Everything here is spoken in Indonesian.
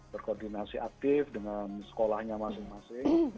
berkoordinasi aktif dengan sekolahnya masing masing